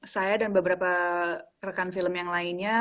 saya dan beberapa rekan film yang lainnya